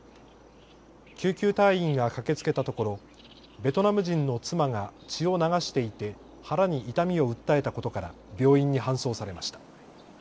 救急隊員が駆けつけたところベトナム人の妻が血を流していて腹に痛みを訴えたことから病院に搬送されました。